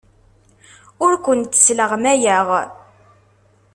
Ur kent-sleɣmayeɣ.